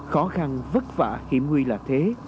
khó khăn vất vả hiểm nguy là thế